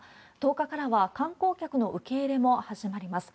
１０日からは、観光客の受け入れも始まります。